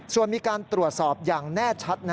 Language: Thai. ส่วนมีการตรวจสอบอย่างแน่ชัด